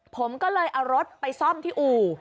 ผมก็เลยเอารถไปซ่อมที่อู่